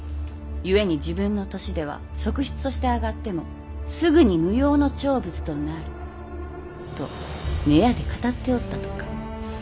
故に自分の年では側室として上がってもすぐに無用の長物となる」と閨で語っておったとか。